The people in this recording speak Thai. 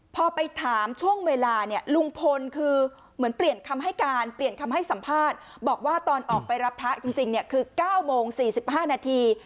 พอไปถามช่วงเวลาเนี่ยลุงพลคือเหมือนเปลี่ยนคำให้การเปลี่ยนคำให้สัมภาษณ์บอกว่าตอนออกไปรับพระจริงเนี่ยคือ๙โมง๔๕นาที